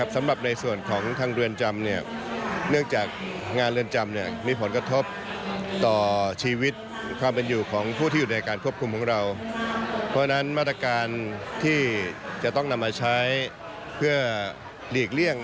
สำหรับในส่วนของทางเรือนจำเนี่ยเนื่องจากงานเรือนจำมีผลกระทบต่อชีวิตความเป็นอยู่ของผู้ที่อยู่ในการควบคุมของเราเพราะฉะนั้นมาตรการที่จะต้องนำมาใช้เพื่อหลีกเลี่ยง